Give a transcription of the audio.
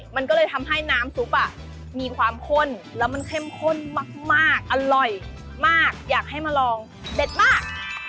มันก็เลยทำให้น้ำซุปมีความข้นแล้วมันเข้มข้นมากอร่อยมากอยากให้มาลองเด็ดมาก